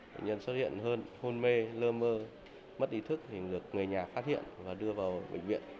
bệnh nhân xuất hiện hơn hôn mê lơ mơ mất ý thức thì được người nhà phát hiện và đưa vào bệnh viện